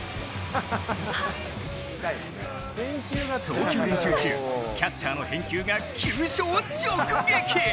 投球練習中、キャッチャーの返球が急所を直撃。